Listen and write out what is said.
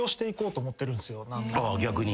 逆に？